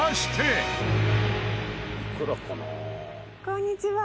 「こんにちは」